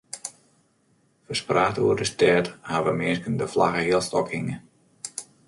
Ferspraat oer de stêd hawwe minsken de flagge healstôk hinge.